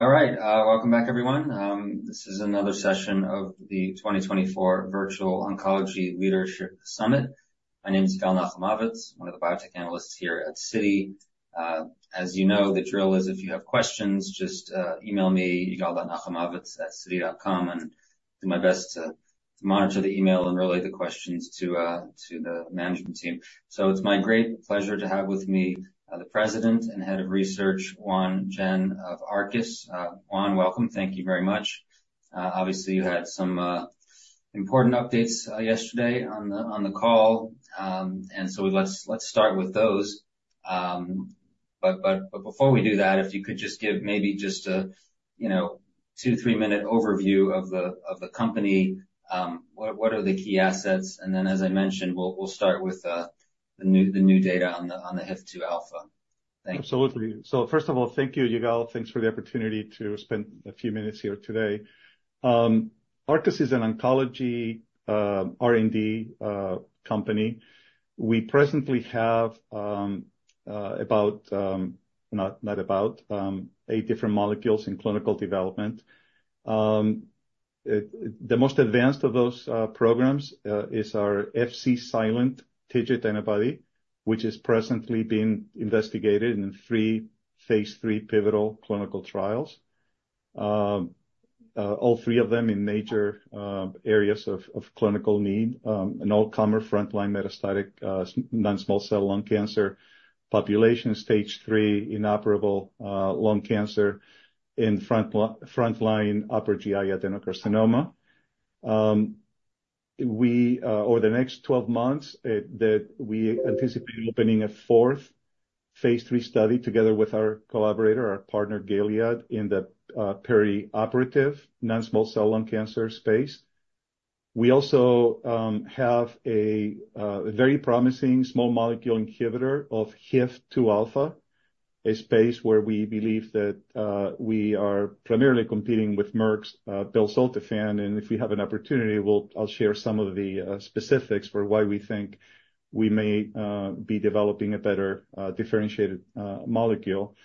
All right, welcome back, everyone. This is another session of the 2024 Virtual Oncology Leadership Summit. My name's Yigal Nochomovitz, one of the biotech analysts here at Citi. As you know, the drill is if you have questions, just email me, yigal.nochomovitz@citi.com, and do my best to monitor the email and relay the questions to the management team. So it's my great pleasure to have with me, the President and Head of Research, Juan Jaen, of Arcus. Juan, welcome. Thank you very much. Obviously you had some important updates yesterday on the call, and so let's start with those. But before we do that, if you could just give maybe just a, you know, 2-3 minute overview of the company, what are the key assets, and then as I mentioned, we'll start with the new data on the HIF-2α. Thanks. Absolutely. So first of all, thank you, Yigal. Thanks for the opportunity to spend a few minutes here today. Arcus is an oncology R&D company. We presently have about 8 different molecules in clinical development. It's the most advanced of those programs is our Fc-silent TIGIT antibody, which is presently being investigated in 3 phase 3 pivotal clinical trials. All 3 of them in major areas of clinical need, an all-comer frontline metastatic non-small cell lung cancer population, stage 3 inoperable lung cancer, and frontline upper GI adenocarcinoma. We over the next 12 months anticipate opening a 4th phase 3 study together with our collaborator, our partner, Gilead, in the perioperative non-small cell lung cancer space. We also have a very promising small molecule inhibitor of HIF-2α, a space where we believe that we are primarily competing with Merck's belzutifan, and if we have an opportunity, we'll I'll share some of the specifics for why we think we may be developing a better, differentiated molecule.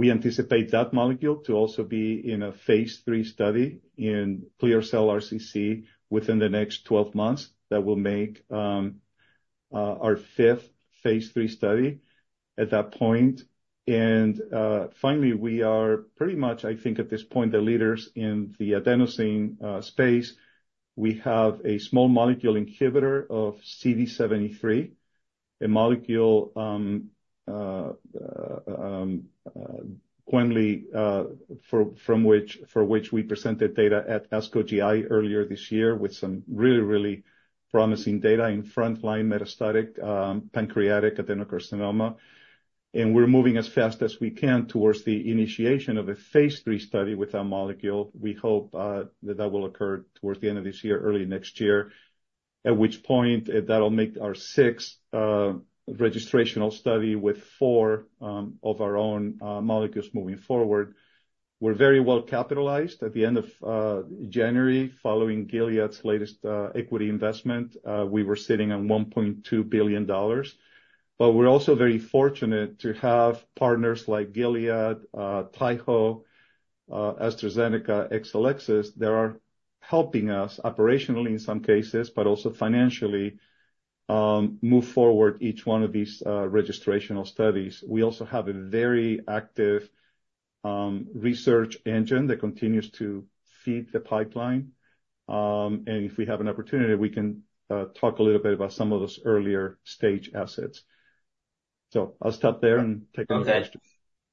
We anticipate that molecule to also be in a phase 3 study in clear cell RCC within the next 12 months that will make our 5th phase 3 study at that point. And finally, we are pretty much, I think, at this point, the leaders in the adenosine space. We have a small molecule inhibitor of CD73, a molecule, quemliclustat, for from which for which we presented data at ASCO GI earlier this year with some really, really promising data in frontline metastatic pancreatic adenocarcinoma. We're moving as fast as we can towards the initiation of a phase 3 study with that molecule. We hope that that will occur towards the end of this year, early next year, at which point that'll make our sixth registrational study with four of our own molecules moving forward. We're very well capitalized. At the end of January, following Gilead's latest equity investment, we were sitting on $1.2 billion. But we're also very fortunate to have partners like Gilead, Taiho, AstraZeneca, Exelixis that are helping us operationally in some cases but also financially move forward each one of these registrational studies. We also have a very active research engine that continues to feed the pipeline. And if we have an opportunity, we can talk a little bit about some of those earlier stage assets. So I'll stop there and take another question.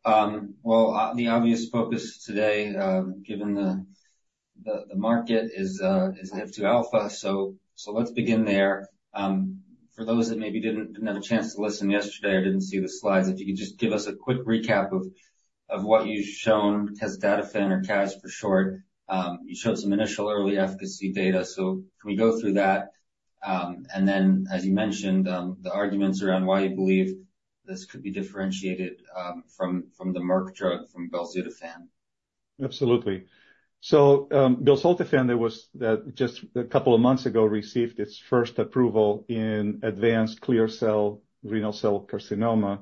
Okay. Well, the obvious focus today, given the market is, is HIF-2α. So let's begin there. For those that maybe didn't have a chance to listen yesterday or didn't see the slides, if you could just give us a quick recap of what you've shown, casdatifan or cas for short. You showed some initial early efficacy data. So can we go through that? And then, as you mentioned, the arguments around why you believe this could be differentiated, from the Merck drug, from belzutifan. Absolutely. So, belzutifan that just a couple of months ago received its first approval in advanced clear cell renal cell carcinoma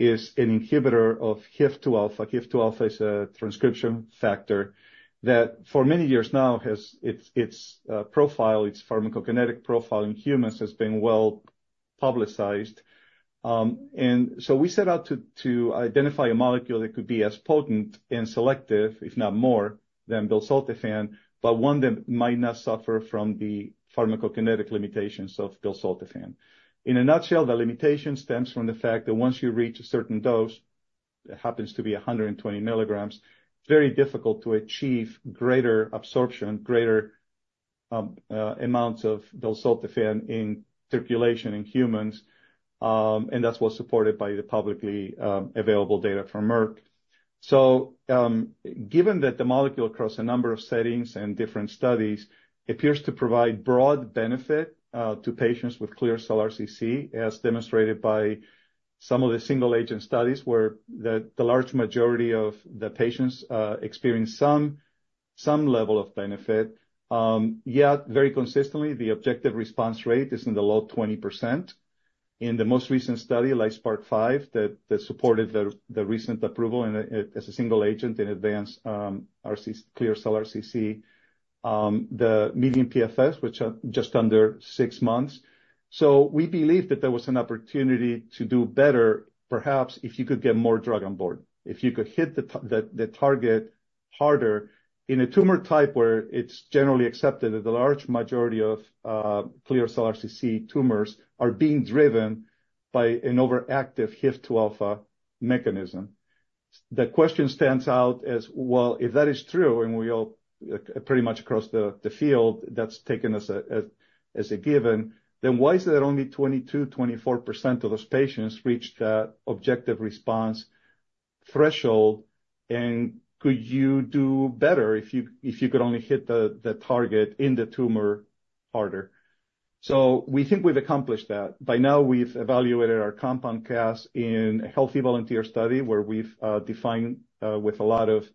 is an inhibitor of HIF-2α. HIF-2α is a transcription factor that for many years now has its profile, its pharmacokinetic profile in humans has been well publicized. So we set out to identify a molecule that could be as potent and selective, if not more, than belzutifan, but one that might not suffer from the pharmacokinetic limitations of belzutifan. In a nutshell, the limitation stems from the fact that once you reach a certain dose, it happens to be 120 mg, it's very difficult to achieve greater absorption, greater amounts of belzutifan in circulation in humans. And that's what's supported by the publicly available data from Merck. So, given that the molecule across a number of settings and different studies appears to provide broad benefit to patients with clear cell RCC, as demonstrated by some of the single agent studies where the large majority of the patients experience some level of benefit, yet very consistently, the objective response rate is in the low 20%. In the most recent study, LITESPARK-005, that supported the recent approval as a single agent in advanced clear cell RCC, the median PFS, which are just under 6 months. So we believe that there was an opportunity to do better, perhaps, if you could get more drug on board, if you could hit the target harder in a tumor type where it's generally accepted that the large majority of clear cell RCC tumors are being driven by an overactive HIF-2α mechanism. The question stands out as, well, if that is true, and we all pretty much across the field, that's taken as a given, then why is it that only 22%-24% of those patients reached that objective response threshold? And could you do better if you could only hit the target in the tumor harder? So we think we've accomplished that. By now, we've evaluated our compound Cas in a healthy volunteer study where we've defined, with a lot of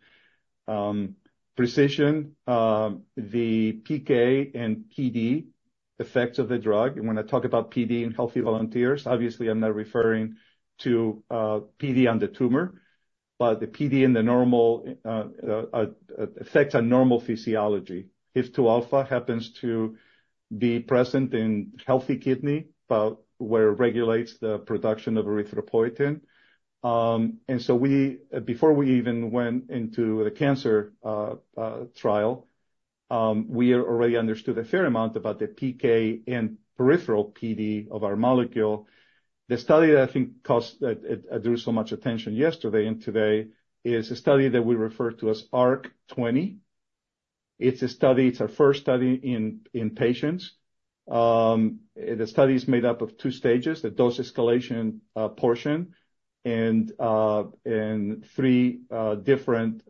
precision, the PK and PD effects of the drug. And when I talk about PD in healthy volunteers, obviously, I'm not referring to PD on the tumor, but the PD in normal effects on normal physiology. HIF-2 alpha happens to be present in healthy kidney, but where it regulates the production of erythropoietin. So, before we even went into the cancer trial, we already understood a fair amount about the PK and peripheral PD of our molecule. The study that I think caused that that drew so much attention yesterday and today is a study that we refer to as ARC-20. It's a study; it's our first study in patients. The study is made up of two stages, the dose escalation portion, and three different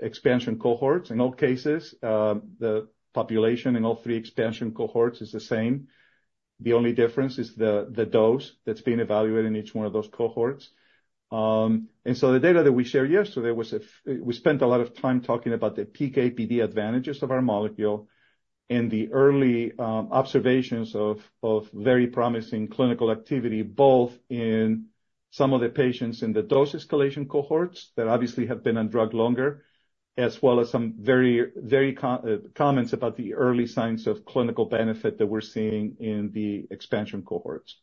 expansion cohorts. In all cases, the population in all three expansion cohorts is the same. The only difference is the dose that's being evaluated in each one of those cohorts. and so the data that we shared yesterday was, we spent a lot of time talking about the PK-PD advantages of our molecule and the early observations of very promising clinical activity, both in some of the patients in the dose escalation cohorts that obviously have been on drug longer, as well as some very, very comments about the early signs of clinical benefit that we're seeing in the expansion cohorts.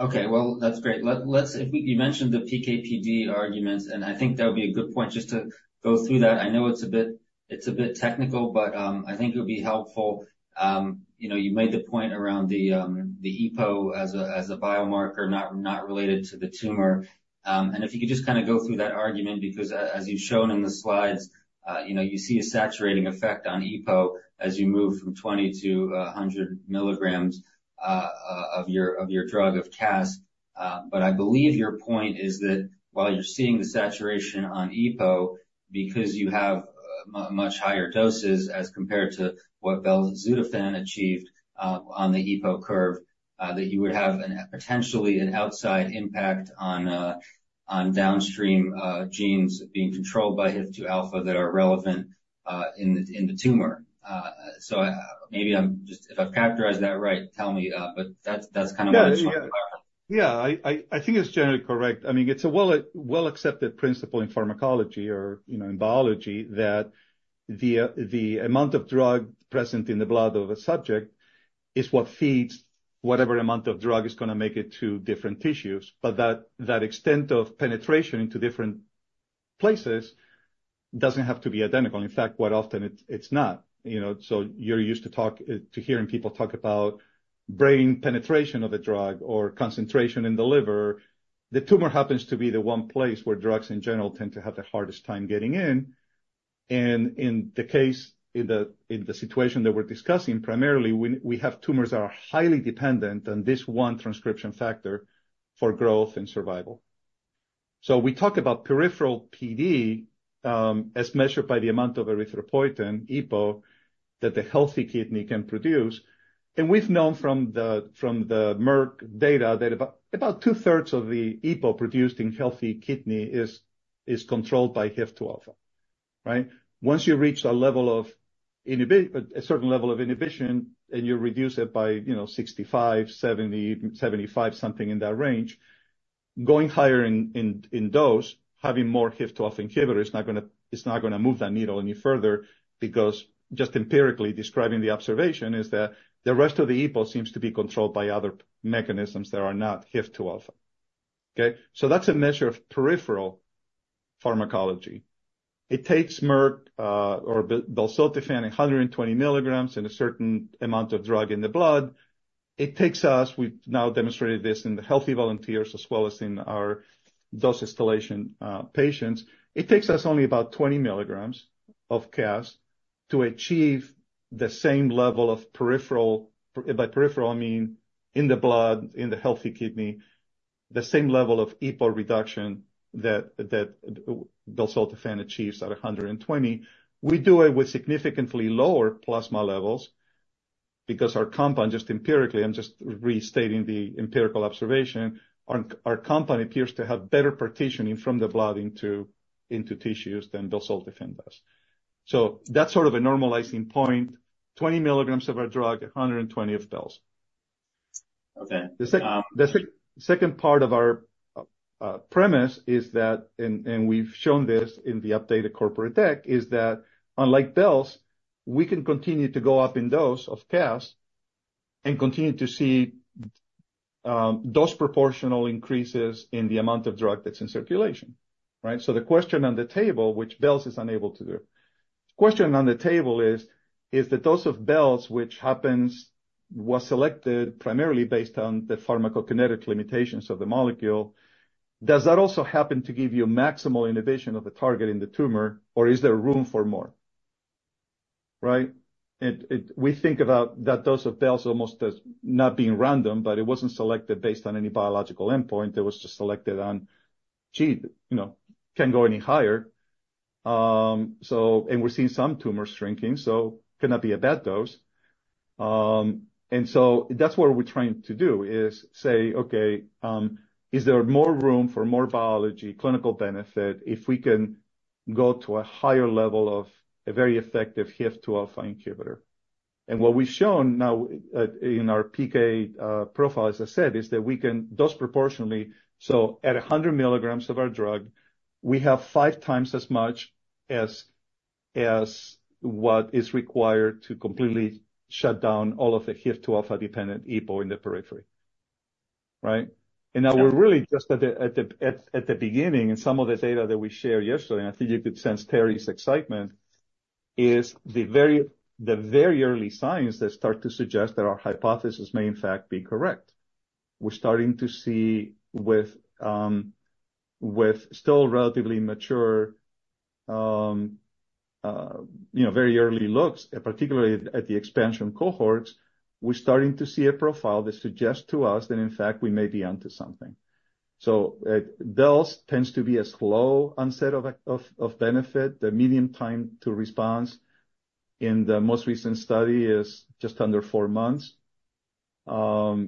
Okay. Well, that's great. Let's, if we—you mentioned the PK-PD arguments, and I think that would be a good point just to go through that. I know it's a bit technical, but I think it would be helpful. You know, you made the point around the EPO as a biomarker, not related to the tumor. And if you could just kind of go through that argument, because, as you've shown in the slides, you know, you see a saturating effect on EPO as you move from 20mg-100mg of your drug, Cas. But I believe your point is that while you're seeing the saturation on EPO, because you have much, much higher doses as compared to what belzutifan achieved on the EPO curve, that you would have a potentially outsized impact on downstream genes being controlled by HIF-2α that are relevant in the tumor. So maybe I'm just if I've characterized that right, tell me, but that's kind of what it's trying to happen. Yeah. Yeah. I think it's generally correct. I mean, it's a well-accepted principle in pharmacology or, you know, in biology that the amount of drug present in the blood of a subject is what feeds whatever amount of drug is gonna make it to different tissues. But that extent of penetration into different places doesn't have to be identical. In fact, quite often it's not, you know. So you're used to hearing people talk about brain penetration of a drug or concentration in the liver. The tumor happens to be the one place where drugs, in general, tend to have the hardest time getting in. And in the case in the situation that we're discussing, primarily, we have tumors that are highly dependent on this one transcription factor for growth and survival. So we talk about peripheral PD, as measured by the amount of erythropoietin, EPO, that the healthy kidney can produce. And we've known from the Merck data that about 2/3 of the EPO produced in healthy kidney is controlled by HIF-2α, right? Once you reach a level of inhibition, a certain level of inhibition, and you reduce it by, you know, 65, 70, 75, something in that range, going higher in dose, having more HIF-2α inhibitor is not gonna move that needle any further, because, just empirically describing the observation, is that the rest of the EPO seems to be controlled by other mechanisms that are not HIF-2α. Okay? So that's a measure of peripheral pharmacology. It takes Merck, or belzutifan, 120 mg in a certain amount of drug in the blood. It takes us. We've now demonstrated this in the healthy volunteers, as well as in our dose escalation patients. It takes us only about 20mg of Cas to achieve the same level of peripheral, by peripheral, I mean, in the blood, in the healthy kidney, the same level of EPO reduction that belzutifan achieves at 120. We do it with significantly lower plasma levels, because our compound just empirically, I'm just restating the empirical observation, our compound appears to have better partitioning from the blood into tissues than belzutifan does. So that's sort of a normalizing point. 20mg of our drug, 120 of belzutifan. Okay. The second part of our premise is that we've shown this in the updated corporate deck, is that, unlike Belz, we can continue to go up in dose of Cas and continue to see dose proportional increases in the amount of drug that's in circulation, right? So the question on the table, which Belz is unable to do, is, is the dose of Belz, which was selected primarily based on the pharmacokinetic limitations of the molecule, does that also happen to give you maximal inhibition of the target in the tumor, or is there room for more? Right? We think about that dose of Belz almost as not being random, but it wasn't selected based on any biological endpoint. It was just selected on, gee, you know, can't go any higher. So, and we're seeing some tumors shrinking, so cannot be a bad dose. And so that's what we're trying to do, is say, okay, is there more room for more biology, clinical benefit, if we can go to a higher level of a very effective HIF-2α inhibitor? And what we've shown now, in our PK profile, as I said, is that we can dose proportionally. So at 100mg of our drug, we have 5x as much as what is required to completely shut down all of the HIF-2α dependent EPO in the periphery, right? And now we're really just at the beginning, and some of the data that we shared yesterday, and I think you could sense Terry's excitement, is the very early signs that start to suggest that our hypothesis may, in fact, be correct. We're starting to see with still relatively mature, you know, very early looks, particularly at the expansion cohorts, we're starting to see a profile that suggests to us that, in fact, we may be onto something. So at Belz tends to be a slow onset of benefit. The median time to response in the most recent study is just under 4 months. The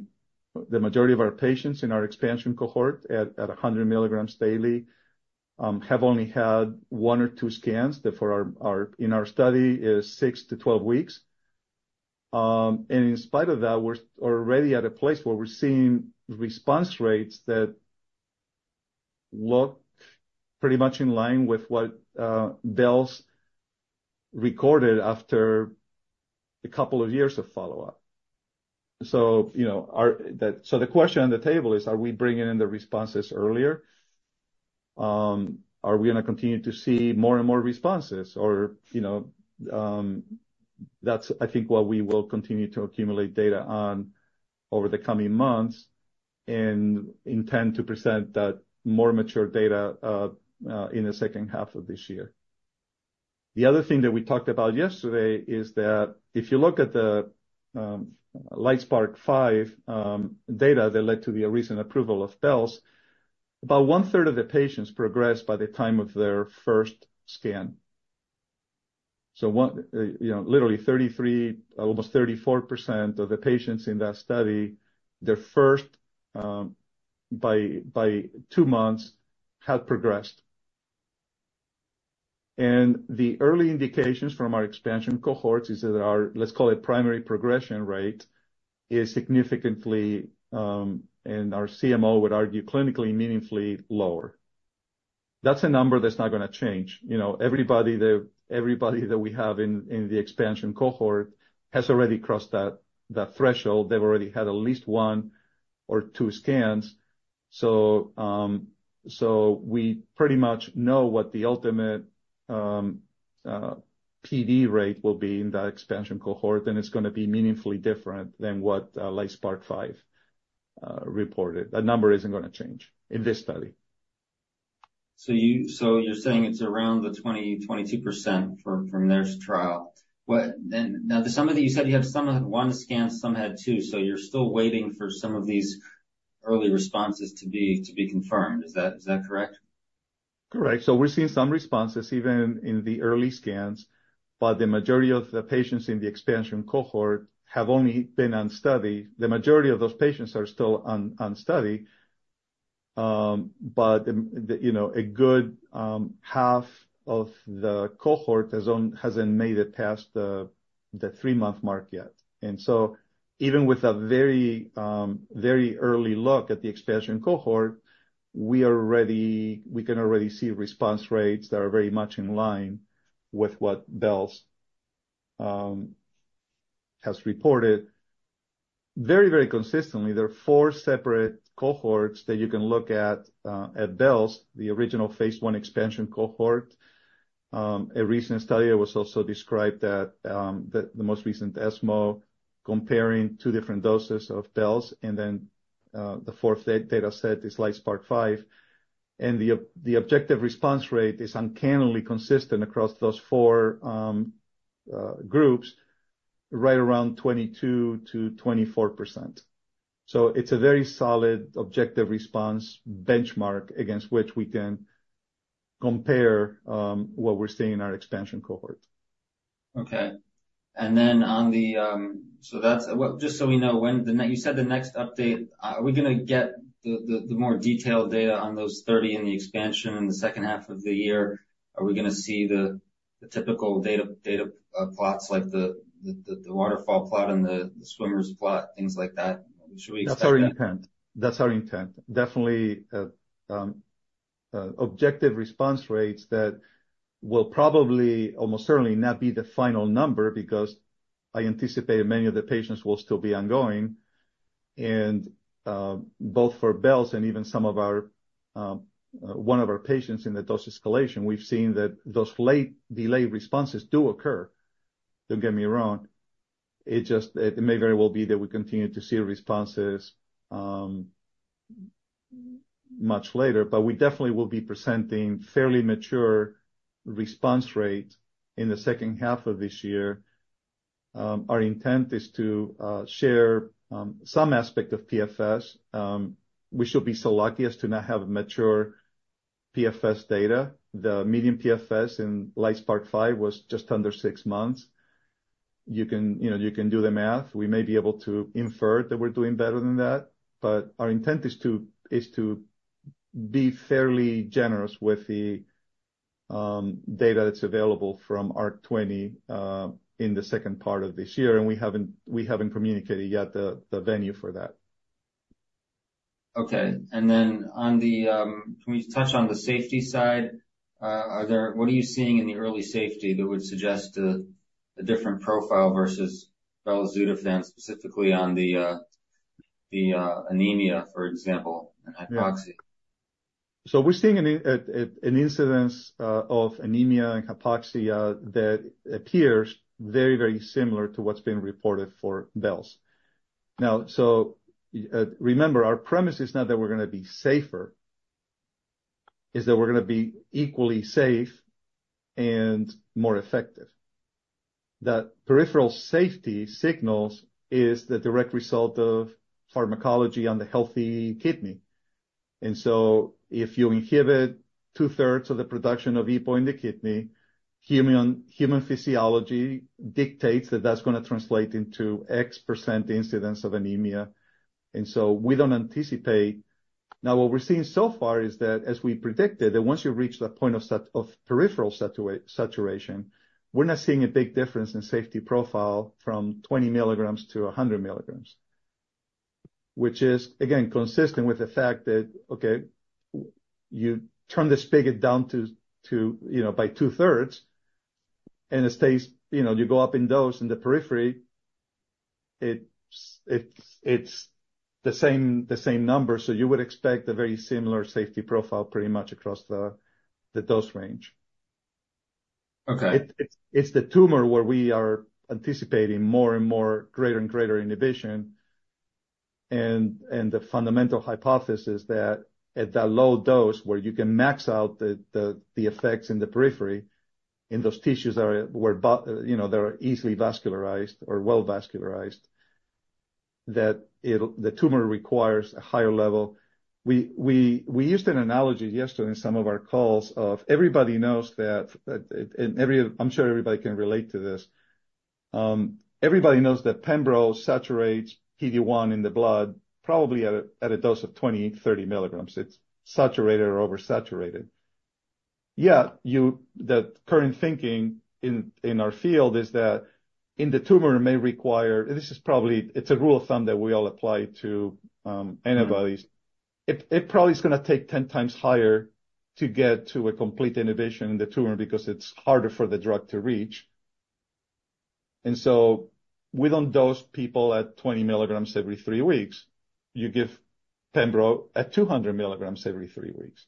majority of our patients in our expansion cohort at 100mg daily have only had 1 or 2 scans. That for our in our study is 6 weeks-12 weeks. In spite of that, we're already at a place where we're seeing response rates that look pretty much in line with what Belz recorded after a couple of years of follow-up. So, you know, the question on the table is, are we bringing in the responses earlier? Are we gonna continue to see more and more responses, or, you know, that's, I think, what we will continue to accumulate data on over the coming months and intend to present that more mature data, in the second half of this year. The other thing that we talked about yesterday is that if you look at the, LITESPARK-005, data that led to the recent approval of Belz, about one-third of the patients progressed by the time of their 1st scan. So, you know, literally 33% almost 34% of the patients in that study, their 1st, by 2 months, had progressed. And the early indications from our expansion cohorts is that our, let's call it, primary progression rate is significantly, and our CMO would argue clinically meaningfully lower. That's a number that's not gonna change. You know, everybody that we have in the expansion cohort has already crossed that threshold. They've already had at least one or two scans. So we pretty much know what the ultimate PD rate will be in that expansion cohort, and it's gonna be meaningfully different than what LITESPARK-005 reported. That number isn't gonna change in this study. So you're saying it's around the 20%-22% from their trial. And now, some of them, you said, some had one scan, some had two. So you're still waiting for some of these early responses to be confirmed. Is that correct? Correct. So we're seeing some responses, even in the early scans. But the majority of the patients in the expansion cohort have only been on study. The majority of those patients are still on study. but the, you know, a good half of the cohort hasn't made it past the 3-month mark yet. And so even with a very, very early look at the expansion cohort, we can already see response rates that are very much in line with what Belz has reported. Very, very consistently, there are 4 separate cohorts that you can look at, at Belz, the original phase 1 expansion cohort. a recent study that was also described that, the most recent ESMO comparing 2 different doses of Belz, and then, the 4th data set is LITESPARK-005. The objective response rate is uncannily consistent across those 4 groups, right around 22%-24%. So it's a very solid objective response benchmark against which we can compare what we're seeing in our expansion cohort. Okay. And then on the, so that's what just so we know, when the next update you said. Are we gonna get the more detailed data on those 30 in the expansion in the second half of the year? Are we gonna see the typical data plots, like the waterfall plot and the swimmers plot, things like that? Should we expect? That's our intent. That's our intent. Definitely, objective response rates that will probably almost certainly not be the final number, because I anticipate many of the patients will still be ongoing. And, both for Belz and even some of our, one of our patients in the dose escalation, we've seen that those late delay responses do occur. Don't get me wrong. It just may very well be that we continue to see responses, much later. But we definitely will be presenting fairly mature response rates in the second half of this year. Our intent is to share some aspect of PFS. We should be so lucky as to not have mature PFS data. The median PFS in LITESPARK-005 was just under six months. You know, you can do the math. We may be able to infer that we're doing better than that. But our intent is to be fairly generous with the data that's available from ARC-20 in the second part of this year. And we haven't communicated yet the venue for that. Okay. And then, can we touch on the safety side? Are there what are you seeing in the early safety that would suggest a different profile versus belzutifan, specifically on the anemia, for example, and hypoxia? Yeah. So we're seeing an incidence of anemia and hypoxia that appears very, very similar to what's been reported for Belz. Now, remember, our premise is not that we're gonna be safer. It's that we're gonna be equally safe and more effective. That peripheral safety signals is the direct result of pharmacology on the healthy kidney. And so if you inhibit 2/3 of the production of EPO in the kidney, human physiology dictates that that's gonna translate into X% incidence of anemia. And so we don't anticipate. Now, what we're seeing so far is that, as we predicted, that once you reach that point of saturation of peripheral saturation, we're not seeing a big difference in safety profile from 20mg-100mg, which is, again, consistent with the fact that, okay, you turn this figure down to, you know, by 2/3, and it stays, you know, you go up in dose in the periphery, it's the same number. So you would expect a very similar safety profile pretty much across the dose range. Okay. It's the tumor where we are anticipating more and more greater and greater inhibition. And the fundamental hypothesis that at that low dose, where you can max out the effects in the periphery, in those tissues that are, you know, that are easily vascularized or well vascularized, that it'll the tumor requires a higher level. We used an analogy yesterday in some of our calls of everybody knows that at every. I'm sure everybody can relate to this. Everybody knows that Pembro saturates PD-1 in the blood probably at a dose of 20 mg-30 mg. It's saturated or oversaturated. Yeah, the current thinking in our field is that in the tumor, it may require, and this is probably it's a rule of thumb that we all apply to, antibodies. It probably is gonna take 10x higher to get to a complete inhibition in the tumor because it's harder for the drug to reach. And so we don't dose people at 20mg every 3 weeks. You give Pembrol at 200mg every 3 weeks.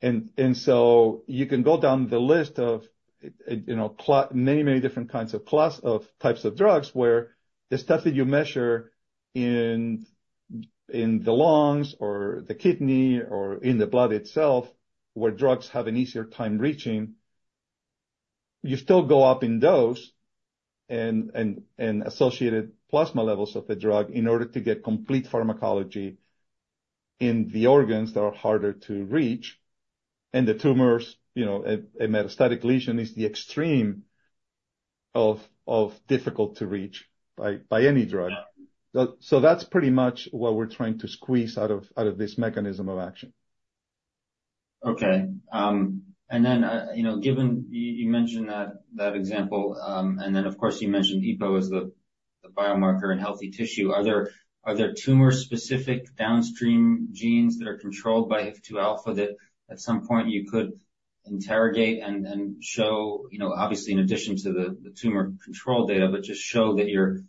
And so you can go down the list of, you know, a lot many, many different kinds of class of types of drugs where the stuff that you measure in the lungs or the kidney or in the blood itself, where drugs have an easier time reaching, you still go up in dose and associated plasma levels of the drug in order to get complete pharmacology in the organs that are harder to reach. And the tumors, you know, a metastatic lesion is the extreme of difficult to reach by any drug. So that's pretty much what we're trying to squeeze out of this mechanism of action. Okay. And then, you know, given you mentioned that example, and then, of course, you mentioned EPO as the biomarker in healthy tissue. Are there tumor-specific downstream genes that are controlled by HIF-2α that at some point you could interrogate and show, you know, obviously, in addition to the tumor control data, but just show that you're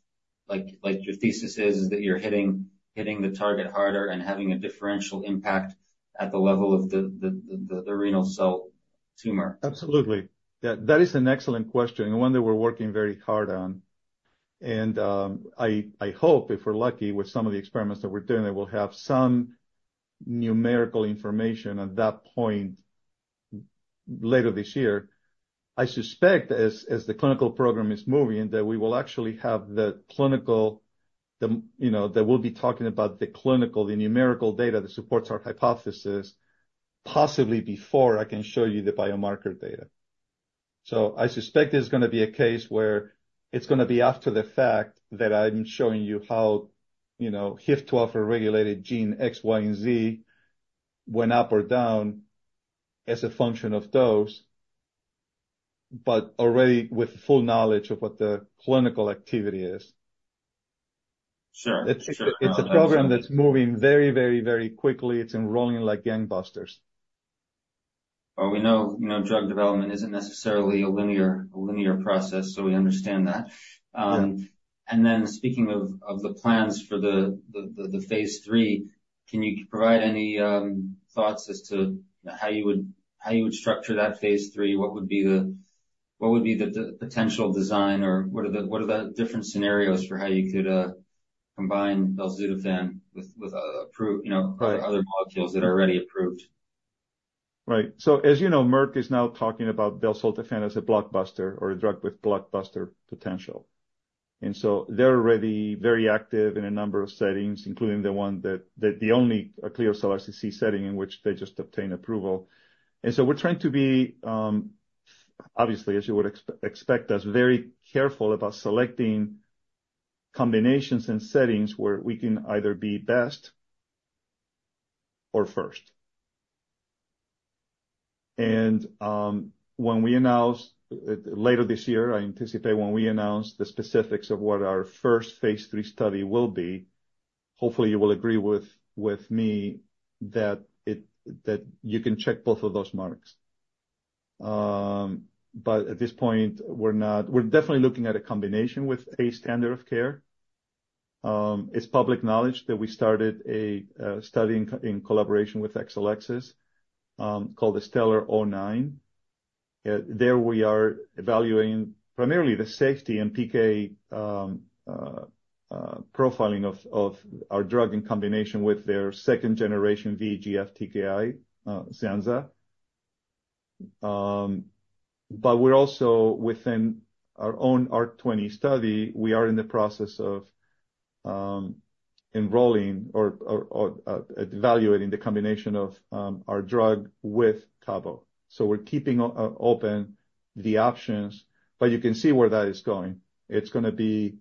like your thesis is that you're hitting the target harder and having a differential impact at the level of the renal cell tumor? Absolutely. That is an excellent question and one that we're working very hard on. And, I hope, if we're lucky with some of the experiments that we're doing, that we'll have some numerical information at that point later this year. I suspect, as the clinical program is moving, that we will actually have the clinical, you know, that we'll be talking about the clinical, the numerical data that supports our hypothesis, possibly before I can show you the biomarker data. So I suspect it's gonna be a case where it's gonna be after the fact that I'm showing you how, you know, HIF-2α regulated gene X, Y, and Z went up or down as a function of dose, but already with full knowledge of what the clinical activity is. Sure. Sure. It's a program that's moving very, very, very quickly. It's enrolling like gangbusters. Well, we know, you know, drug development isn't necessarily a linear process. So we understand that. And then speaking of the plans for the phase 3, can you provide any thoughts as to, you know, how you would structure that phase 3? What would be the potential design, or what are the different scenarios for how you could combine belzutifan with approved, you know, or other molecules that are already approved? Right. So as you know, Merck is now talking about belzutifan as a blockbuster or a drug with blockbuster potential. So they're already very active in a number of settings, including the one that the only clear cell RCC setting in which they just obtain approval. So we're trying to be, obviously, as you would expect, as very careful about selecting combinations and settings where we can either be best or first. When we announce later this year, I anticipate when we announce the specifics of what our first phase 3 study will be, hopefully, you will agree with me that you can check both of those marks. But at this point, we're definitely looking at a combination with a standard of care. It's public knowledge that we started a study in collaboration with Exelixis called the STELLAR-009. There we are evaluating primarily the safety and PK profiling of our drug in combination with their second-generation VEGF TKI, Zanza. But we're also within our own ARC-20 study, we are in the process of enrolling or evaluating the combination of our drug with Cabo. So we're keeping open the options. But you can see where that is going. It's gonna be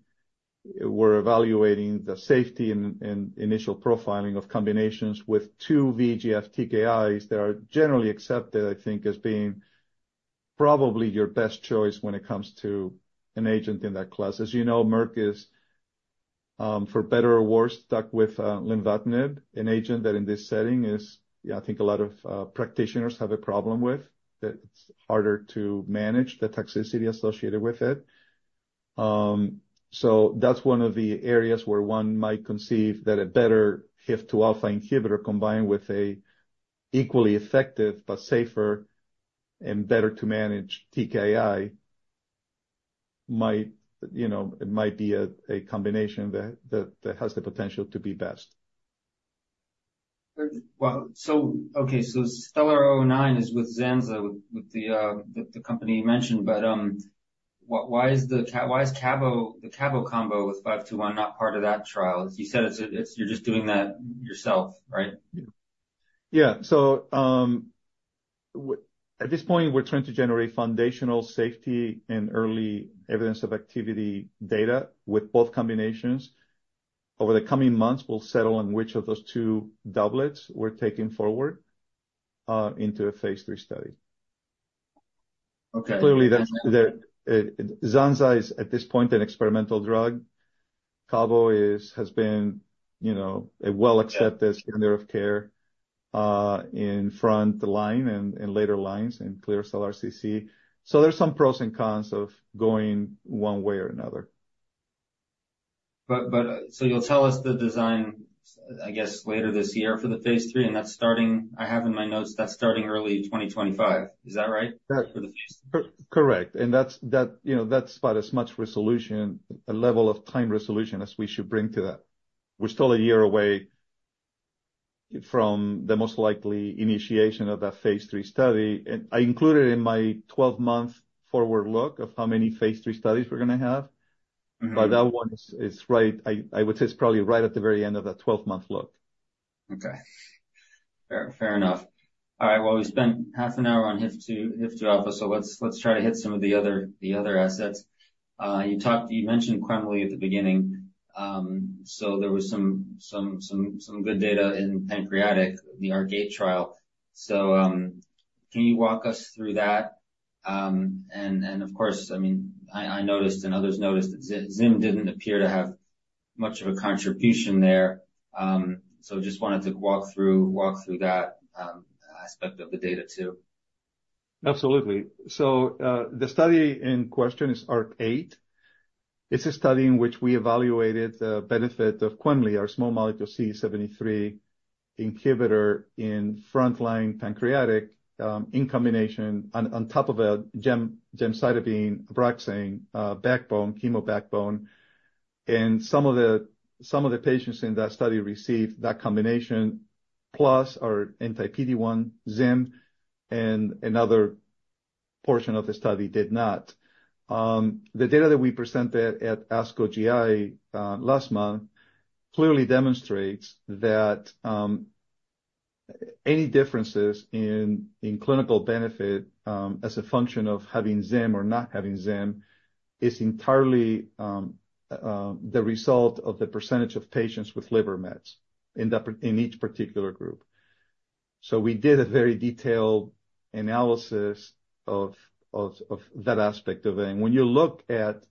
we're evaluating the safety and initial profiling of combinations with 2 VEGF TKIs that are generally accepted, I think, as being probably your best choice when it comes to an agent in that class. As you know, Merck is, for better or worse, stuck with lenvatinib, an agent that in this setting is, yeah, I think a lot of practitioners have a problem with, that it's harder to manage the toxicity associated with it. That's one of the areas where one might conceive that a better HIF-2α inhibitor combined with an equally effective but safer and better to manage TKI might, you know, be a combination that has the potential to be best. Well, so okay. So STELLAR-009 is with Zanza, with the company you mentioned. But, why is the Cabo combo with 521 not part of that trial? You said it's you're just doing that yourself, right? Yeah. Yeah. At this point, we're trying to generate foundational safety and early evidence of activity data with both combinations. Over the coming months, we'll settle on which of those two doublets we're taking forward, into a phase 3 study. Okay. Clearly, that's where Zanza is, at this point, an experimental drug. Cabo has been, you know, a well-accepted standard of care, in front line and later lines and clear cell RCC. So there's some pros and cons of going one way or another. But so you'll tell us the design, I guess, later this year for the phase 3. And that's starting, I have in my notes, that's starting early 2025. Is that right? Correct. For the Phase 3? Correct. And that's that, you know, that's about as much resolution, a level of time resolution as we should bring to that. We're still a year away from the most likely initiation of that phase 3 study. And I included it in my 12-month forward look of how many phase 3 studies we're gonna have. But that one is right. I would say it's probably right at the very end of that 12-month look. Okay. Fair enough. All right. Well, we spent half an hour on HIF-2α. So let's try to hit some of the other assets. You mentioned Quemli at the beginning. So there was some good data in pancreatic, the ARC-8 trial. So, can you walk us through that? And of course, I mean, I noticed and others noticed that Zym didn't appear to have much of a contribution there. So just wanted to walk through that aspect of the data too. Absolutely. So, the study in question is ARC-8. It's a study in which we evaluated the benefit of Quemli, our small molecule CD73 inhibitor in frontline pancreatic, in combination on top of a gemcitabine Abraxane backbone, chemo backbone. And some of the patients in that study received that combination plus our anti-PD-1, Zym, and another portion of the study did not. The data that we presented at ASCO GI last month clearly demonstrates that any differences in clinical benefit, as a function of having Zym or not having Zym, is entirely the result of the percentage of patients with liver mets in each particular group. So we did a very detailed analysis of that aspect of it. And when you look at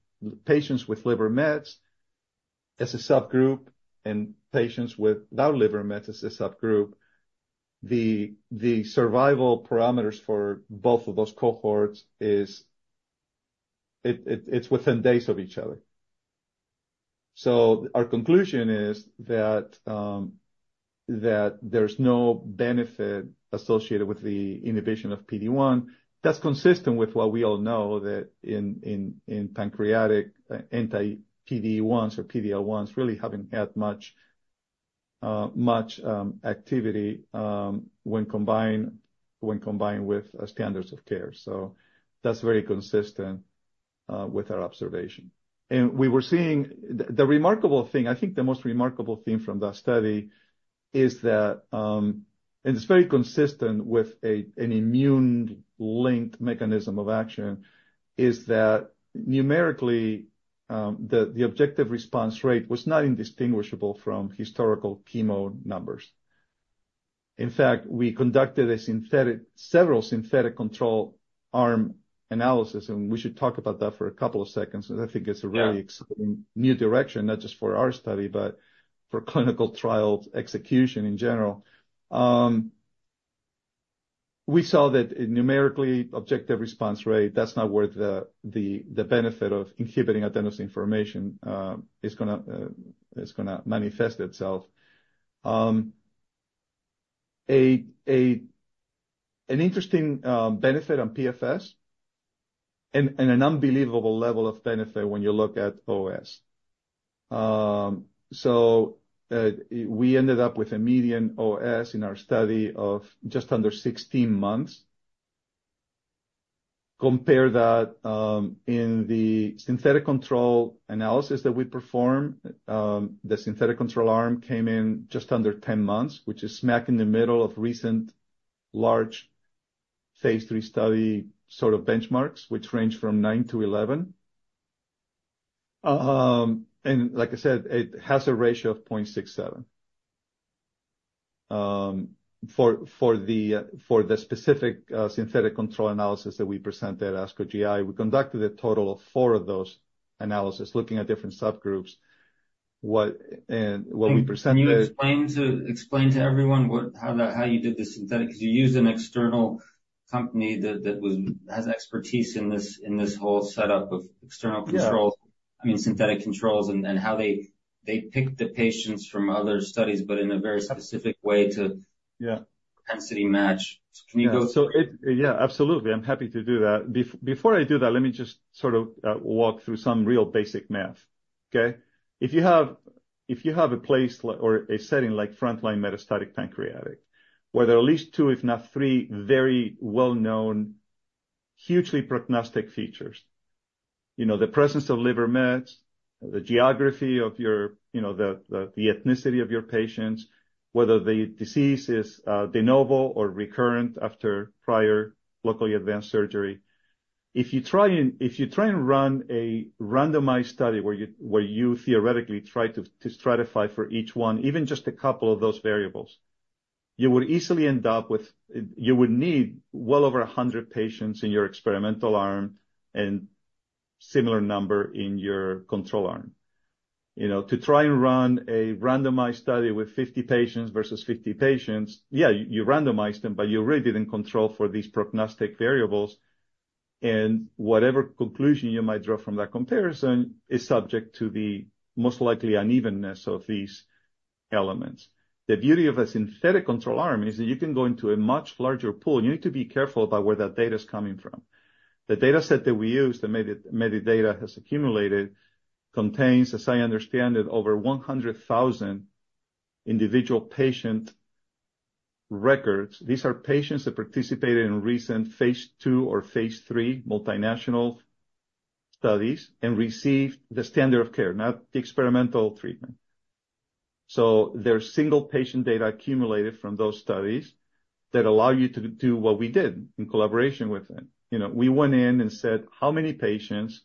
patients with liver mets as a subgroup and patients without liver mets as a subgroup, the survival parameters for both of those cohorts is it's within days of each other. So our conclusion is that there's no benefit associated with the inhibition of PD-1. That's consistent with what we all know that in pancreatic, anti-PD-1s or PD-L1s really haven't had much activity, when combined with standards of care. So that's very consistent with our observation. And we were seeing the remarkable thing I think the most remarkable thing from that study is that, and it's very consistent with a immune-linked mechanism of action, is that numerically, the objective response rate was not indistinguishable from historical chemo numbers. In fact, we conducted a synthetic control arm analysis, and we should talk about that for a couple of seconds. I think it's a really exciting new direction, not just for our study but for clinical trial execution in general. We saw that numerically, objective response rate, that's not where the benefit of inhibiting adenosine formation is gonna manifest itself. An interesting benefit on PFS and an unbelievable level of benefit when you look at OS. So, we ended up with a median OS in our study of just under 16 months. Compare that; in the synthetic control analysis that we performed, the synthetic control arm came in just under 10 months, which is smack in the middle of recent large Phase 3 study sort of benchmarks, which range from 9-11. Like I said, it has a ratio of 0.67. For the specific synthetic control analysis that we presented at ASCO GI, we conducted a total of four of those analyses looking at different subgroups. What and what we presented. And can you explain to everyone how you did the synthetic? Because you used an external company that has expertise in this whole setup of external controls. Yeah. I mean, synthetic controls and how they picked the patients from other studies but in a very specific way to. Yeah. Density match. So can you go through? Yeah. So, yeah, absolutely. I'm happy to do that. Before I do that, let me just sort of walk through some real basic math, okay? If you have a place or a setting like frontline metastatic pancreatic, where there are at least two, if not three, very well-known, hugely prognostic features, you know, the presence of liver mets, the geography of your, you know, the ethnicity of your patients, whether the disease is de novo or recurrent after prior locally advanced surgery, if you try to run a randomized study where you theoretically try to stratify for each one, even just a couple of those variables, you would need well over 100 patients in your experimental arm and similar number in your control arm. You know, to try and run a randomized study with 50 patients versus 50 patients, yeah, you randomized them, but you really didn't control for these prognostic variables. And whatever conclusion you might draw from that comparison is subject to the most likely unevenness of these elements. The beauty of a synthetic control arm is that you can go into a much larger pool. You need to be careful about where that data is coming from. The dataset that we use, the Medidata that has accumulated, contains, as I understand it, over 100,000 individual patient records. These are patients that participated in recent Phase 2 or Phase 3 multinational studies and received the standard of care, not the experimental treatment. So there's single patient data accumulated from those studies that allow you to do what we did in collaboration with it. You know, we went in and said, "How many patients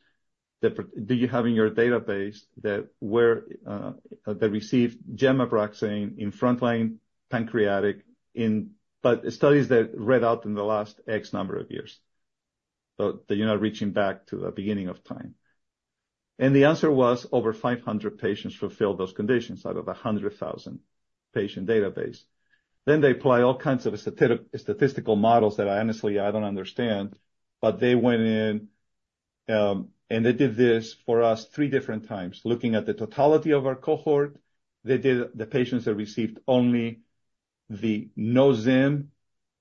that do you have in your database that were that received gem Abraxane in frontline pancreatic in but studies that read out in the last X number of years?" So that you're not reaching back to the beginning of time. And the answer was, "Over 500 patients fulfilled those conditions out of 100,000-patient database." Then they apply all kinds of statistical models that, honestly, I don't understand. But they went in, and they did this for us three different times. Looking at the totality of our cohort, they did the patients that received only the no-Zym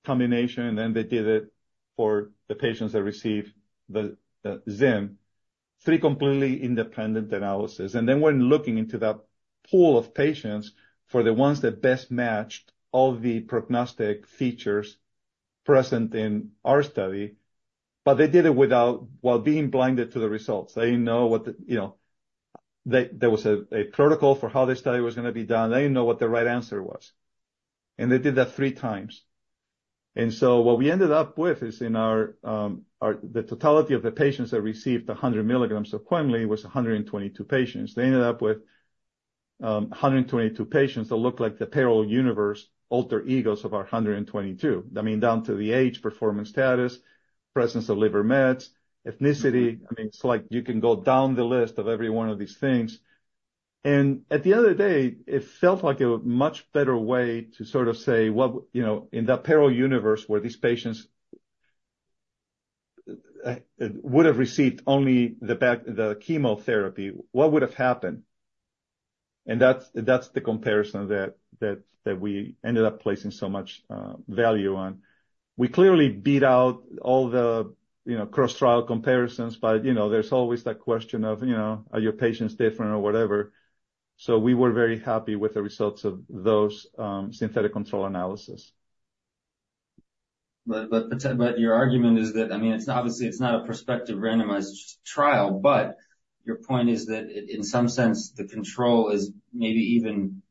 combination, and then they did it for the patients that received the Zym, three completely independent analyses. And then went looking into that pool of patients for the ones that best matched all the prognostic features present in our study. But they did it without while being blinded to the results. They didn't know what the, you know, there was a protocol for how this study was gonna be done. They didn't know what the right answer was. And so what we ended up with is in our the totality of the patients that received 100 milligrams of Quemli was 122 patients. They ended up with 122 patients that looked like the parallel universe, alter egos of our 122. I mean, down to the age, performance status, presence of liver mets, ethnicity. I mean, it's like you can go down the list of every one of these things. At the end of the day, it felt like a much better way to sort of say, "Well, you know, in that parallel universe where these patients would have received only the back the chemotherapy, what would have happened?" That's the comparison that we ended up placing so much value on. We clearly beat out all the, you know, cross-trial comparisons. But, you know, there's always that question of, you know, are your patients different or whatever? So we were very happy with the results of those synthetic control analysis. But, your argument is that, I mean, it's not obvious; it's not a prospective randomized trial. But your point is that, in some sense, the control is maybe even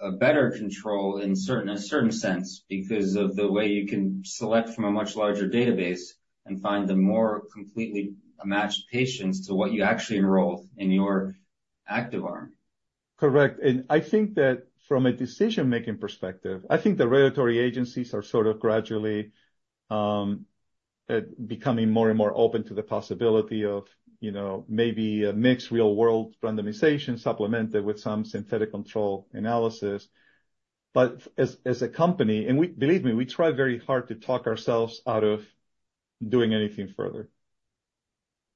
a better control in a certain sense because of the way you can select from a much larger database and find the more completely matched patients to what you actually enrolled in your active arm. Correct. I think that from a decision-making perspective, the regulatory agencies are sort of gradually becoming more and more open to the possibility of, you know, maybe a mixed real-world randomization supplemented with some synthetic control analysis. But as a company, believe me, we try very hard to talk ourselves out of doing anything further.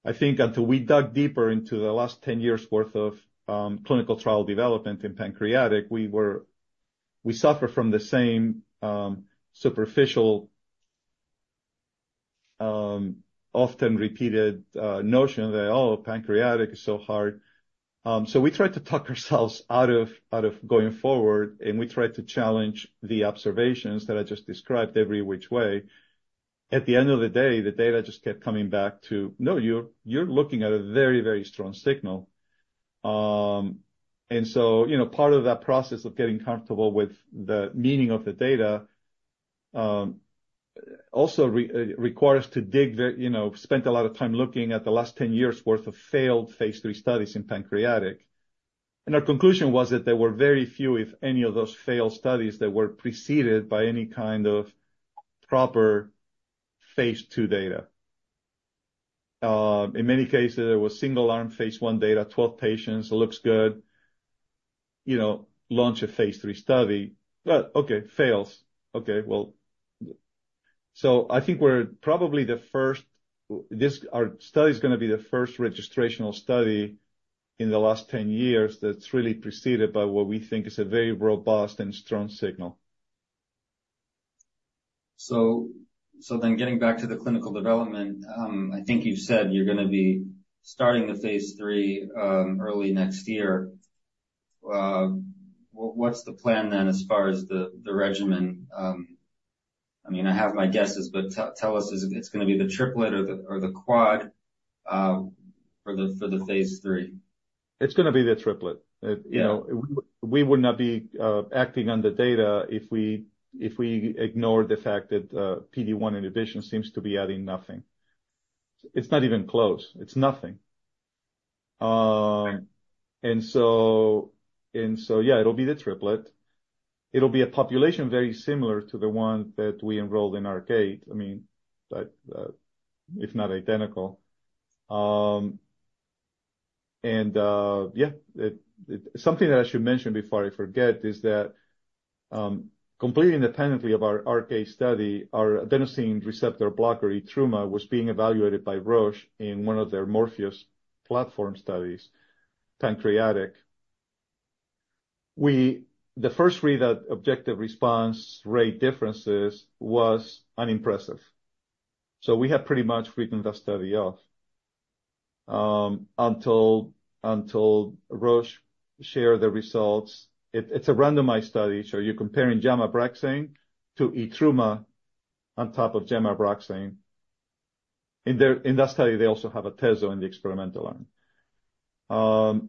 I think until we dug deeper into the last 10 years' worth of clinical trial development in pancreatic, we suffered from the same superficial, often-repeated, notion that, "Oh, pancreatic is so hard." We tried to talk ourselves out of going forward, and we tried to challenge the observations that I just described every which way. At the end of the day, the data just kept coming back to, "No, you're looking at a very, very strong signal." And so, you know, part of that process of getting comfortable with the meaning of the data also requires us to dig very, you know, spent a lot of time looking at the last 10 years' worth of failed phase 3 studies in pancreatic. And our conclusion was that there were very few, if any, of those failed studies that were preceded by any kind of proper phase 2 data. In many cases, there was single-arm phase 1 data, 12 patients. It looks good. You know, launch a phase 3 study. But okay, fails. Okay. Well, so I think we're probably the first. This, our study, is gonna be the first registrational study in the last 10 years that's really preceded by what we think is a very robust and strong signal. So, then getting back to the clinical development, I think you said you're gonna be starting the phase 3 early next year. What's the plan then as far as the regimen? I mean, I have my guesses, but tell us, is it's gonna be the triplet or the quad for the phase 3? It's gonna be the triplet. You know, we would not be acting on the data if we ignore the fact that PD-1 inhibition seems to be adding nothing. It's not even close. It's nothing. So, yeah, it'll be the triplet. It'll be a population very similar to the one that we enrolled in ARC-8. I mean, that if not identical. And yeah, it's something that I should mention before I forget is that completely independently of our ARC-8 study, our adenosine receptor blocker, Etruma, was being evaluated by Roche in one of their Morpheus platform studies, pancreatic. The first read-out objective response rate differences was unimpressive. So we had pretty much written that study off, until Roche shared the results. It's a randomized study. So you're comparing gem Abraxane to Etruma on top of gem Abraxane. In that study, they also have a Atezo in the experimental arm.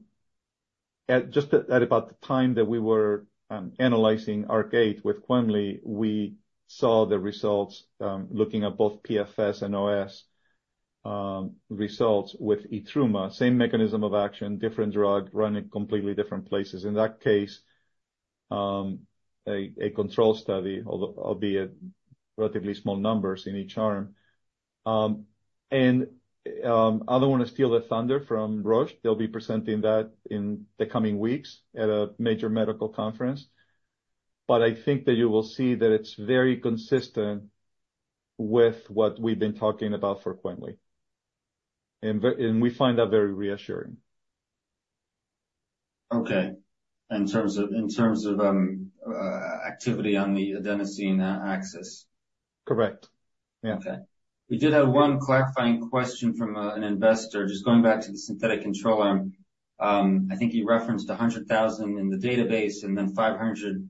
At about the time that we were analyzing ARC-8 with Quemli, we saw the results, looking at both PFS and OS, results with Etruma, same mechanism of action, different drug, in completely different places. In that case, a control study, albeit relatively small numbers in each arm. And other one is Steel the Thunder from Roche. They'll be presenting that in the coming weeks at a major medical conference. But I think that you will see that it's very consistent with what we've been talking about for Quemli. And we find that very reassuring. Okay. In terms of activity on the adenosine axis. Correct. Yeah. Okay. We did have one clarifying question from an investor. Just going back to the synthetic control arm, I think he referenced 100,000 in the database and then 500,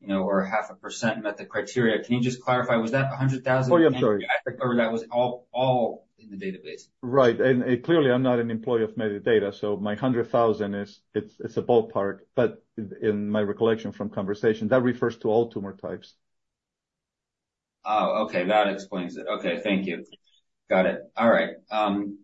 you know, or 0.5% met the criteria. Can you just clarify? Was that 100,000 in the. Oh, yeah. I'm sorry. Or that was all in the database? Right. And clearly, I'm not an employee of Medidata, so my 100,000 is it's a ballpark. But in my recollection from conversation, that refers to all tumor types. Oh, okay. That explains it. Okay. Thank you. Got it. All right. Then,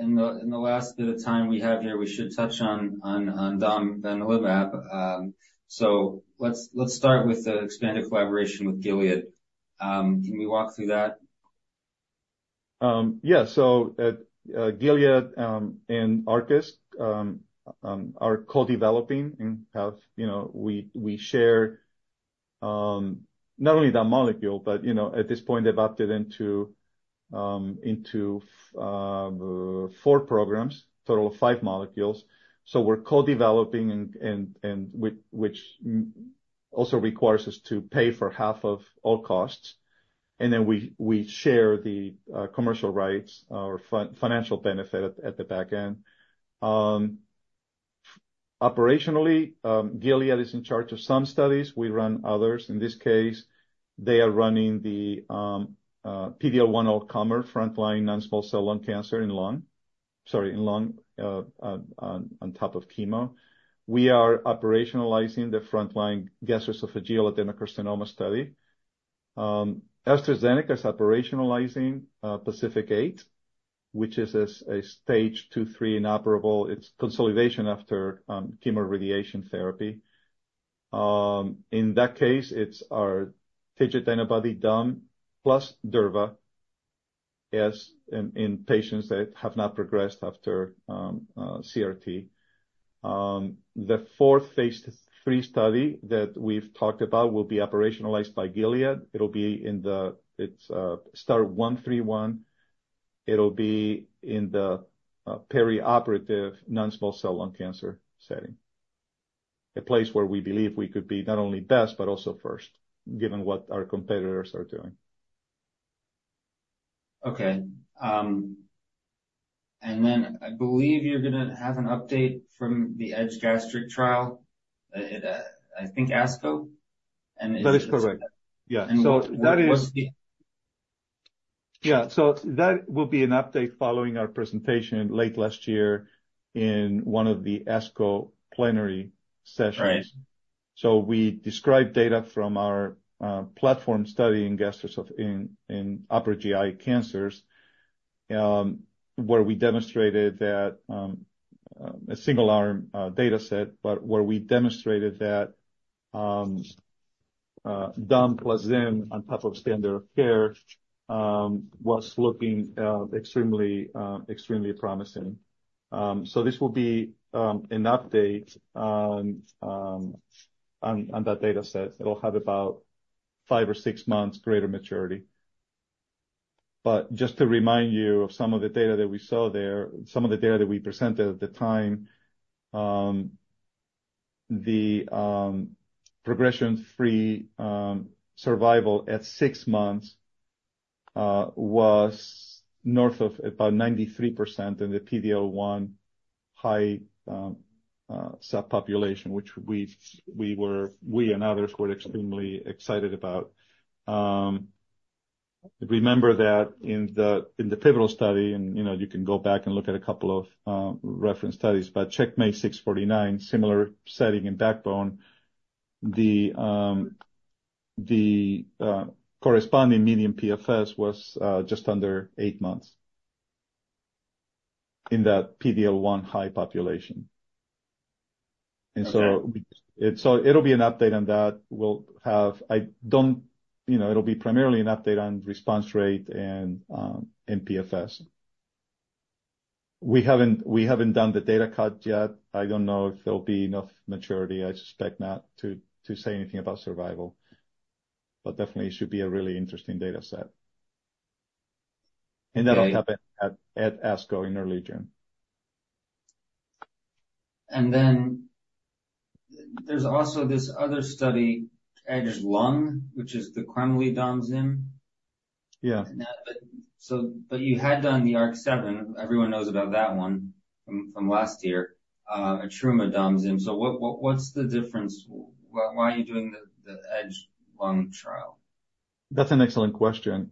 in the last bit of time we have here, we should touch on domvanalimab. So let's start with the expanded collaboration with Gilead. Can we walk through that? Yeah. So at Gilead and Arcus are co-developing and have, you know, we share not only that molecule, but you know, at this point adopted into four programs, total of five molecules. So we're co-developing and which also requires us to pay for half of all costs. And then we share the commercial rights or financial benefit at the back end. Operationally, Gilead is in charge of some studies. We run others. In this case, they are running the PD-L1 all-comer frontline non-small cell lung cancer in lung, sorry, on top of chemo. We are operationalizing the frontline gastroesophageal adenocarcinoma study. AstraZeneca is operationalizing PACIFIC-8, which is a stage 2, 3 inoperable. It's consolidation after chemoradiation therapy. In that case, it's our TIGIT antibody domvanalimab plus durvalumab in patients that have not progressed after CRT. The fourth Phase 3 study that we've talked about will be operationalized by Gilead. It'll be STAR-131. It'll be in the perioperative non-small cell lung cancer setting, a place where we believe we could be not only best but also first, given what our competitors are doing. Okay. And then I believe you're gonna have an update from the EDGE-Gastric trial, I think, ASCO. And is that. That is correct. Yeah. So that is. What's the. Yeah. So that will be an update following our presentation late last year in one of the ASCO plenary sessions. Right. So we described data from our platform study in gastroesophageal in upper GI cancers, where we demonstrated that a single-arm dataset, but where we demonstrated that don plus Zym on top of standard of care was looking extremely, extremely promising. So this will be an update on on that dataset. It'll have about five or six months greater maturity. But just to remind you of some of the data that we saw there, some of the data that we presented at the time, the progression-free survival at six months was north of about 93% in the PD-L1 high subpopulation, which we were and others were extremely excited about. Remember that in the pivotal study and, you know, you can go back and look at a couple of reference studies. CheckMate 649, similar setting and backbone, the corresponding median PFS was just under eight months in that PD-L1 high population. And so we. Yeah. So it'll be an update on that. We'll have. I don't, you know, it'll be primarily an update on response rate and PFS. We haven't done the data cut yet. I don't know if there'll be enough maturity. I suspect not to say anything about survival. But definitely, it should be a really interesting dataset. And that'll happen at ASCO in early June. There's also this other study, EDGE-Lung, which is the Quemli don Zym. Yeah. You had done the ARC-7. Everyone knows about that one from last year, Etruma don Zym. So what's the difference? Why are you doing the EDGE-Lung trial? That's an excellent question.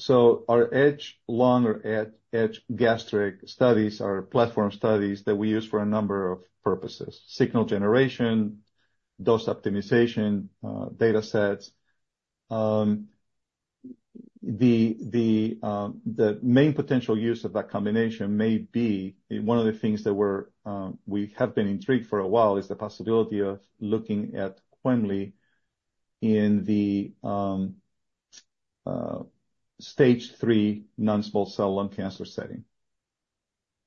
So our EDGE-Lung or EDGE-Gastric studies are platform studies that we use for a number of purposes: signal generation, dose optimization, datasets. The main potential use of that combination may be one of the things that we have been intrigued for a while is the possibility of looking at Quemli in the stage 3 non-small cell lung cancer setting.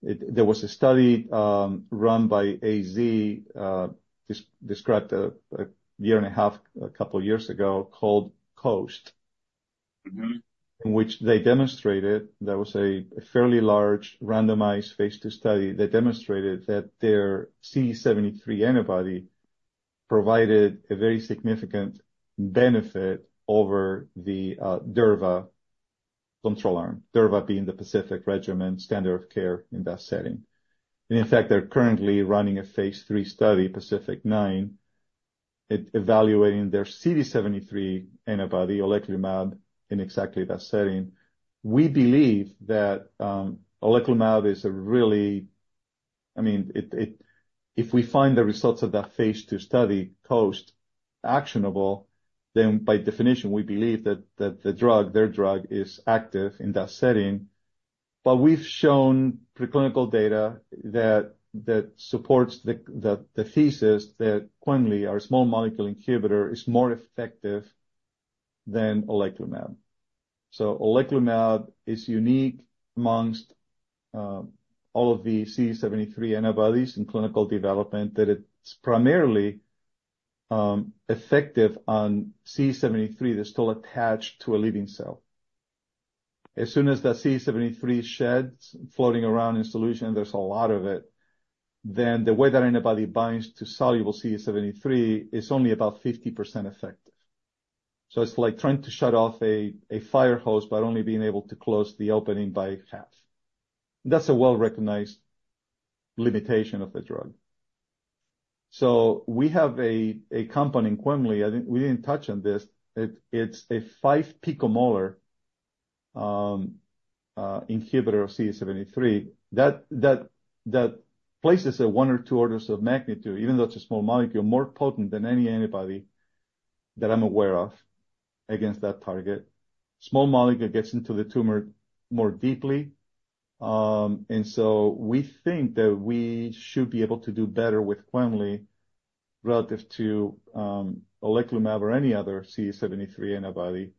There was a study run by AZ described a year and a half a couple of years ago called COAST, in which they demonstrated there was a fairly large randomized phase 2 study. They demonstrated that their CD73 antibody provided a very significant benefit over the DERVA control arm, Durva being the PACIFIC regimen standard of care in that setting. In fact, they're currently running a phase 3 study, PACIFIC-9, evaluating their CD73 antibody, oleclumab, in exactly that setting. We believe that oleclumab is a really—I mean, if we find the results of that phase 2 study, COAST, actionable, then by definition, we believe that the drug, their drug, is active in that setting. But we've shown preclinical data that supports the thesis that quemliclustat, our small molecule inhibitor, is more effective than oleclumab. So oleclumab is unique amongst all of the CD73 antibodies in clinical development that it's primarily effective on CD73 that's still attached to a living cell. As soon as that CD73 sheds floating around in solution, and there's a lot of it, then the way that antibody binds to soluble CD73 is only about 50% effective. So it's like trying to shut off a fire hose but only being able to close the opening by half. That's a well-recognized limitation of the drug. So we have a compound, quemliclustat. We didn't touch on this. It's a 5-picomolar inhibitor of CD73 that places one or two orders of magnitude, even though it's a small molecule, more potent than any antibody that I'm aware of against that target. Small molecule gets into the tumor more deeply, and so we think that we should be able to do better with quemliclustat relative to oleclumab or any other CD73 antibody.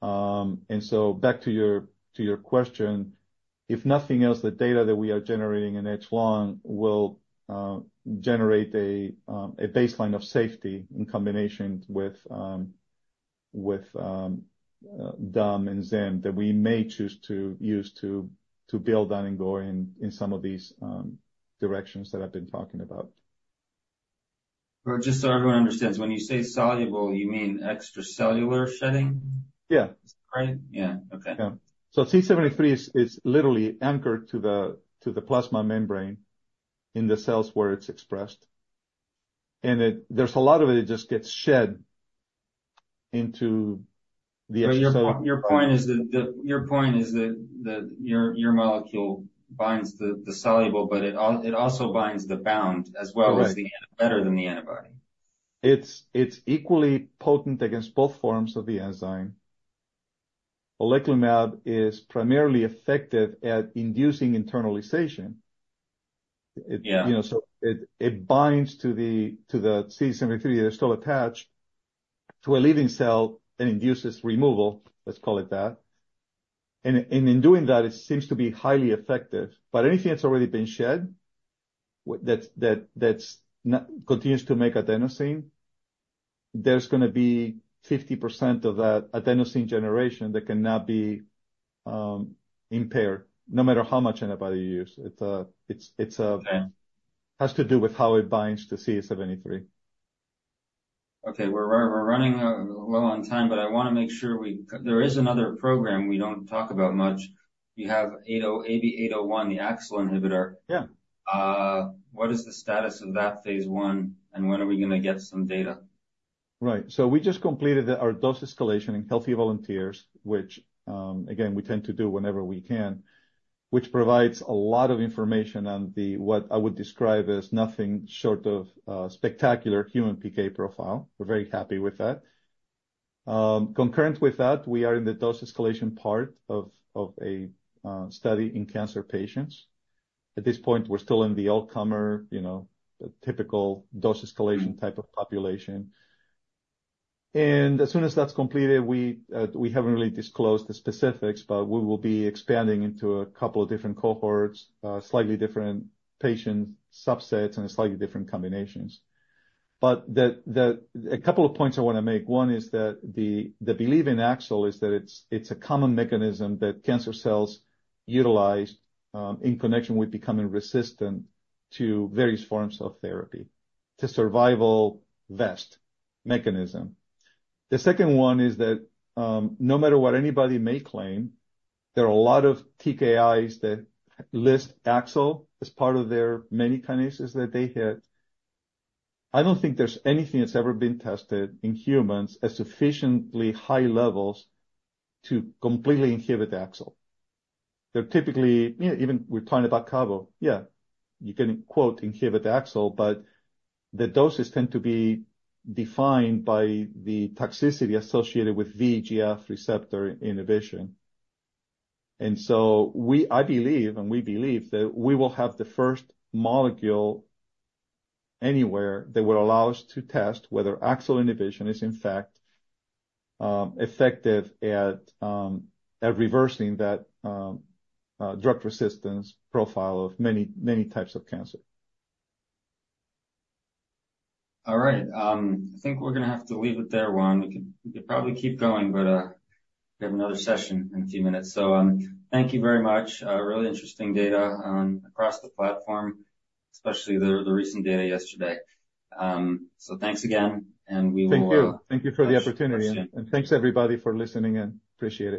and so back to your question, if nothing else, the data that we are generating in EDGE-Lung will generate a baseline of safety in combination with don and Zym that we may choose to use to build on and go in some of these directions that I've been talking about. Just so everyone understands, when you say soluble, you mean extracellular shedding? Yeah. Is that right? Yeah. Okay. Yeah. So CD73 is literally anchored to the plasma membrane in the cells where it's expressed. And there's a lot of it that just gets shed into the extracellular. But your point is that your molecule binds the soluble, but it also binds the bound as well as better than the antibody. Right. It's equally potent against both forms of the enzyme. Oleclumab is primarily effective at inducing internalization. It. Yeah. You know, so it binds to the CD73 that's still attached to a living cell and induces removal, let's call it that. And in doing that, it seems to be highly effective. But anything that's already been shed that's not continues to make adenosine, there's gonna be 50% of that adenosine generation that cannot be impaired no matter how much antibody you use. It's a. Okay. Has to do with how it binds to CD73. Okay. We're running a little on time, but I wanna make sure we there is another program we don't talk about much. You have AB801, the AXL inhibitor. Yeah. What is the status of that phase 1, and when are we gonna get some data? Right. So we just completed our dose escalation in healthy volunteers, which, again, we tend to do whenever we can, which provides a lot of information on what I would describe as nothing short of a spectacular human PK profile. We're very happy with that. Concurrent with that, we are in the dose escalation part of a study in cancer patients. At this point, we're still in the all-comer, you know, typical dose escalation type of population. And as soon as that's completed, we haven't really disclosed the specifics, but we will be expanding into a couple of different cohorts, slightly different patient subsets and slightly different combinations. But a couple of points I wanna make. One is that the belief in AXL is that it's a common mechanism that cancer cells utilize, in connection with becoming resistant to various forms of therapy, the survivalist mechanism. The second one is that, no matter what anybody may claim, there are a lot of TKIs that list AXL as part of their many kinases that they hit. I don't think there's anything that's ever been tested in humans at sufficiently high levels to completely inhibit AXL. They're typically, you know, even we're talking about CABO. Yeah. You can quote, "inhibit AXL," but the doses tend to be defined by the toxicity associated with VEGF receptor inhibition. We believe that we will have the first molecule anywhere that will allow us to test whether AXL inhibition is, in fact, effective at reversing that drug resistance profile of many, many types of cancer. All right. I think we're gonna have to leave it there, Juan. We can probably keep going, but we have another session in a few minutes. So, thank you very much. Really interesting data across the platform, especially the recent data yesterday. So thanks again, and we will. Thank you. Thank you for the opportunity. Appreciate it. Thanks, everybody, for listening, and appreciate it.